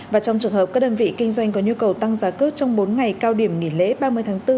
và trong trường hợp các đơn vị kinh doanh có nhu cầu tăng giá cước trong bốn ngày cao điểm nghỉ lễ ba mươi tháng bốn